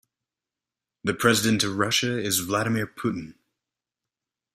The president of Russia is Vladimir Putin.